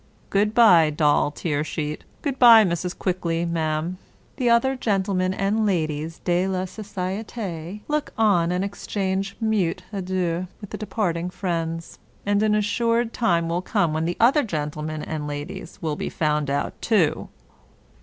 " Good by, Doll Tearsheet! Good by, Mrs. Quickly, ma'am!" The other gentlemen and ladies de la societe look on and ex change mute adieux with the departing friends. And an assured time will come when the other gentlemen and ladies will be found out too.